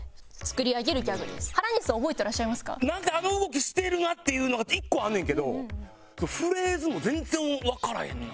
あの動きしてるなっていうのが１個あんねんけどフレーズも全然わからへんな。